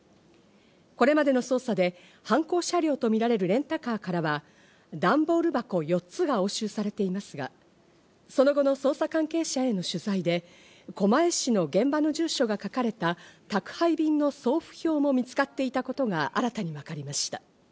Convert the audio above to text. これまでの捜査で犯行車両とみられるレンタカーからは段ボール箱４つが押収されていますが、その後の捜査関係者への取材で狛江市の現場の住所が書かれた宅配便の送付票に使っていたことが新たに分かりました。